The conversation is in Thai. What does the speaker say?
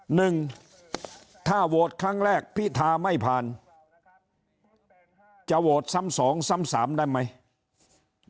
หนึ่งถ้าโหวตครั้งแรกพิธาไม่ผ่านจะโหวตซ้ำสองซ้ำสามได้ไหม